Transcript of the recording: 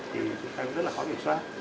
thì chúng ta cũng rất là khó kiểm soát